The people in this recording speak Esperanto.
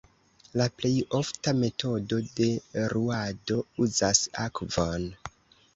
La plej ofta metodo de ruado uzas akvon.